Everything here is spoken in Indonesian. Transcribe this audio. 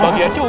bagian juga deh